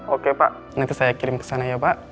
oke pak nanti saya kirim ke sana ya pak